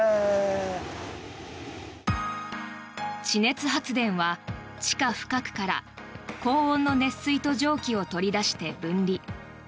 地熱発電は地下深くから高温の熱水と蒸気を取り出して分離。